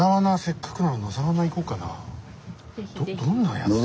どんなやつだと。